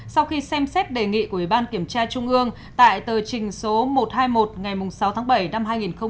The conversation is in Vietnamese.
sau khi xem xét đề nghị của ủy ban kiểm tra trung ương tại tờ trình số một trăm hai mươi một ngày sáu tháng bảy năm hai nghìn một mươi chín